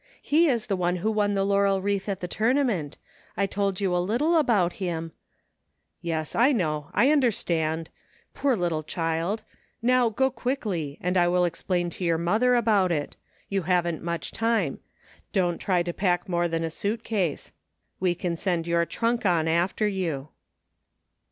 He is the one who won the laurel wreath at the tourna ment. I told you a little about him ^"" Yes, I know. I understand ! Poor little child ! Now go quickly and I will explain to your mother about it. You haven't much time. Don't try to pack more than a suit case. We can send your trunk on after you."